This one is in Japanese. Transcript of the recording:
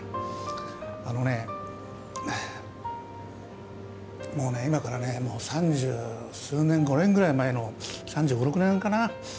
あのねもう今からね三十数年５年ぐらい前の３５３６年かな？